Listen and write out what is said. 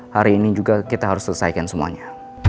hari ini juga kita harus selesaikan semuanya